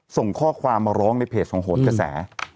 ส่งข้อความมาร้องในเพจของโหดกระแส